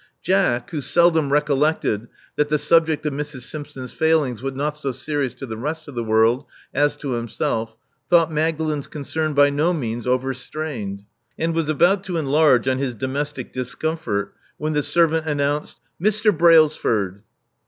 Jack, who seldom recollected that the subject of Mrs. Simpson*s failings was not so serious to the rest of the world as to himself, thought Ma^».lalen's concern by no means overstrained, and was abiuit to enlarge on his domestic discomfort, when the servant announced Mr. Brailsford."